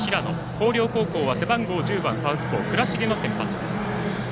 広陵高校は背番号１０番の倉重の先発です。